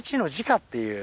っていう。